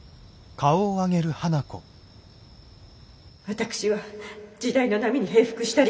私は時代の波に平伏したりしない。